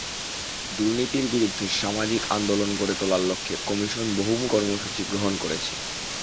দুর্নীতির বিরুদ্ধে সামাজিক আন্দোলন গড়ে তোলার লক্ষ্যে কমিশন বহুমুখী কর্মসূচি গ্রহণ করেছে।